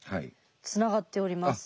つながっております。